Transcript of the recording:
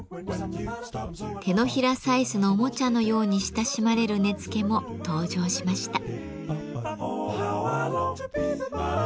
手のひらサイズのおもちゃのように親しまれる根付も登場しました。